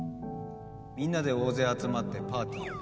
みんなで大勢集まってパーティーをやる。